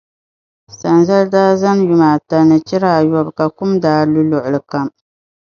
sanzali daa zani yuma ata ni chira ayɔbu ka kum daa lu luɣili kam.